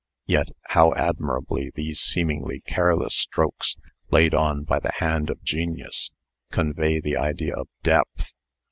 Yet how admirably these seemingly careless strokes, laid on by the hand of genius, convey the idea of DEPTH!